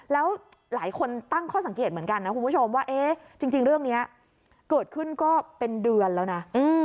แล้วหลายคนตั้งข้อสังเกตเหมือนกันนะคุณผู้ชมว่าจริงเรื่องนี้เกิดขึ้นก็เป็นเดือนแล้วนะ